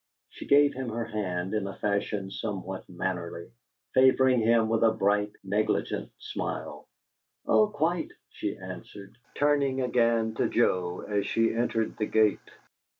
She gave him her hand in a fashion somewhat mannerly, favoring him with a bright, negligent smile. "Oh, quite," she answered, turning again to Joe as she entered the gate.